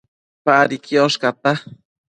Padi quiosh cata